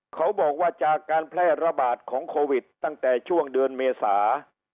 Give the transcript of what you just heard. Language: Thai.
เขาบอกว่าจากการแพร่ระบาดของโควิดตั้งแต่ช่วงเดือนเมษา